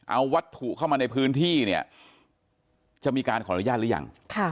เอาวัตถุเข้ามาในพื้นที่เนี่ยจะมีการขออนุญาตหรือยัง